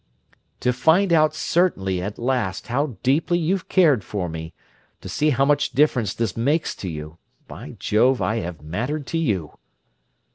"To find out certainly, at last, how deeply you've cared for me! To see how much difference this makes to you! By Jove, I have mattered to you!"